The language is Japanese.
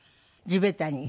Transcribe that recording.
地べたに。